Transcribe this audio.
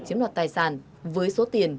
chiếm đoạt tài sản với số tiền